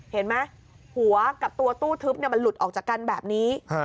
เห็นไหมหัวกับตัวตู้ทึบมันหลุดออกจากกันแบบนี้